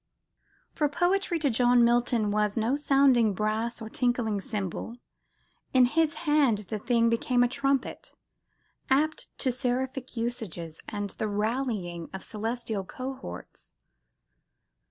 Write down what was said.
For poetry, to John Milton, was no sounding brass or tinkling cymbal; in his hand "the thing became a trumpet," apt to seraphic usages and the rallying of celestial cohorts.